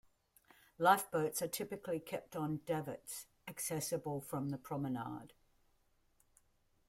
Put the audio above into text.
Lifeboats are typically kept on davits accessible from the promenade.